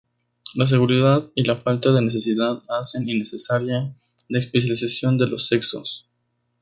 La seguridad y la falta de necesidad hacen innecesaria la especialización de los sexos.